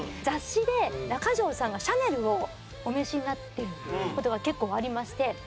雑誌で中条さんがシャネルをお召しになってる事が結構ありまして。